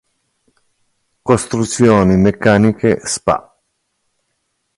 Costruzioni Meccaniche spa.